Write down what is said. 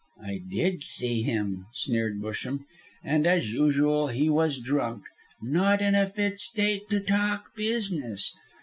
I did see him," sneered Busham, "and, as usual, he was drunk not in a fit state to talk business.